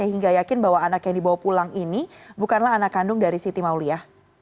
hingga yakin bahwa anak yang dibawa pulang ini bukanlah anak kandung dari siti maulia